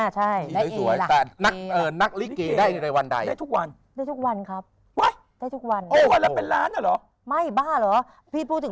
ได้ช่วยแต่นักฤลิเก